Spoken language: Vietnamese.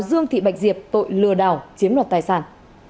dương thị bạch diệp tội lừa đảo chiếm đoạt tài sản